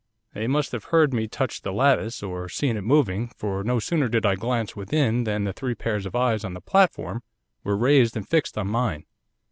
'They must have heard me touch the lattice, or seen it moving, for no sooner did I glance within than the three pairs of eyes on the platform were raised and fixed on mine.